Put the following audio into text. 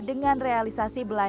dengan realisasi belanjaan